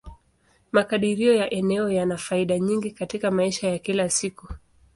Makadirio ya eneo yana faida nyingi katika maisha ya kila siku.